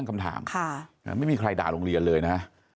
ไม่มีใครด่าโรงเรียนเลยนะ